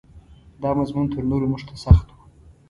دا مضمون تر نورو موږ ته سخت و.